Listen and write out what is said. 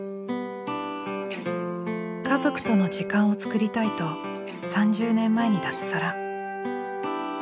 家族との時間を作りたいと３０年前に脱サラ。